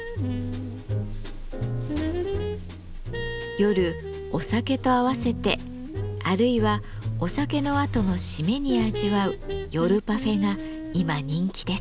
夜お酒と合わせてあるいはお酒のあとの締めに味わう「夜パフェ」が今人気です。